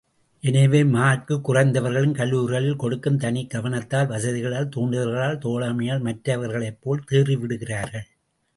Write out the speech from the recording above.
எனவே, மார்க்குக் குறைந்தவர்களும் கல்லூரிகளில் கொடுக்கும் தனிக் கவனத்தால், வசதிகளால், தூண்டுதல்களால், தோழமையால் மற்றவர்களைப்போல் தேறிவிடுகிறார்கள்.